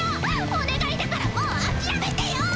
お願いだからもう諦めてよ！